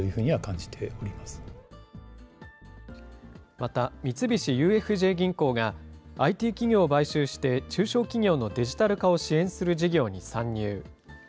また、三菱ＵＦＪ銀行が、ＩＴ企業を買収して、中小企業のデジタル化を支援する事業に参入。